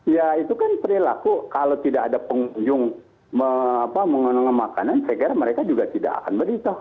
ya itu kan perilaku kalau tidak ada pengunjung menggunakan makanan saya kira mereka juga tidak akan beritahu